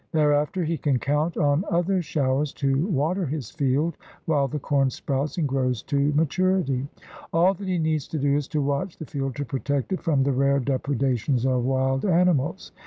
Thereafter he can count on other showers to water his field while the corn sprouts and grows to maturity. All that he needs to do is to watch the field to protect it from the rare depredations of wild animals.